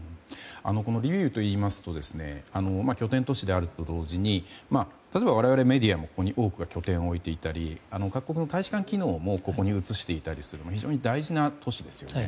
リビウといいますと拠点都市であると同時に例えば、我々メディアもここに多くいたり各国の大使館機能もここに移していたりして非常に大事な都市ですね。